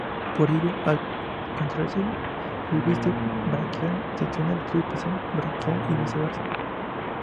Por ello, al contraerse el bíceps braquial, se extiende el tríceps braquial, y viceversa.